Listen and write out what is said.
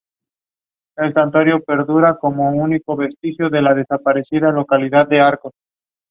The fight led to his capture and imprisonment.